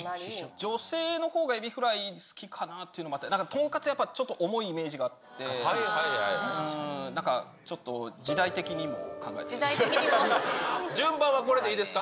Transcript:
女性のほうがエビフライ好きかなっていうのもあって、トンカツはやっぱりちょっと重いイメージがあって、順番はこれでいいですか？